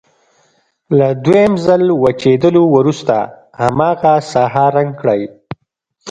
له دویم ځل وچېدلو وروسته هماغه ساحه رنګ کړئ.